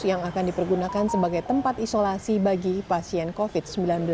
yang akan dipergunakan sebagai tempat isolasi bagi pasien covid sembilan belas